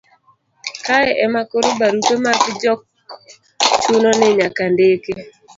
kae ema koro barupe mag jok chuno ni nyaka ndiki